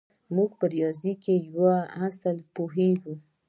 موږ په ریاضي کې په یوه اصل پوهېږو